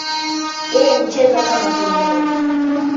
Yeye hucheza kama kiungo.